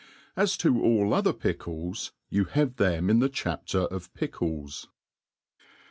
As to all other pickles, you have them iq the chap* ter of Pickles.